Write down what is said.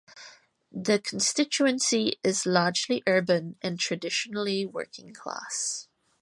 The constituency is largely urban and traditionally working-class.